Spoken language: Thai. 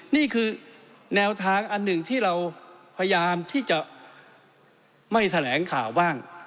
นี่คือแนวทางอันหนึ่งที่เราพยายามที่จะไม่แถลงข่าวบ้าง